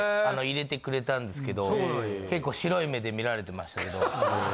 入れてくれたんですけど結構白い目で見られてましたけど。